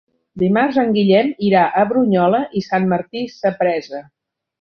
Dimarts en Guillem irà a Brunyola i Sant Martí Sapresa.